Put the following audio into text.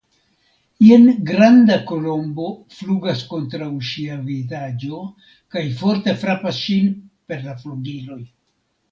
Jen granda Kolombo flugas kontraŭ ŝia vizaĝo kaj forte frapas ŝin per la flugiloj.